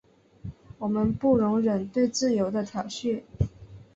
我们不容忍对自由的挑衅。